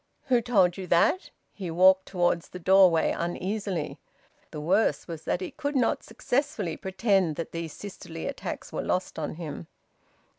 "Who told you that?" He walked towards the doorway uneasily. The worst was that he could not successfully pretend that these sisterly attacks were lost on him.